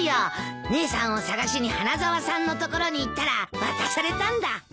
姉さんを捜しに花沢さんのところに行ったら渡されたんだ。